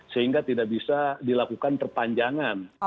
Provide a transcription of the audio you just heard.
sehingga tidak bisa dilakukan perpanjangan